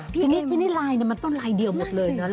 พี่เนี่ยไลน์มันต้องไลน์เดียวหมดเลยเนอะ